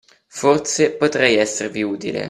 Forse, potrei esservi utile.